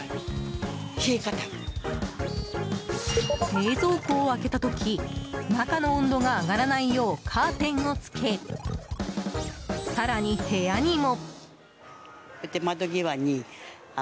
冷蔵庫を開けた時中の温度が上がらないようカーテンをつけ更に部屋にも。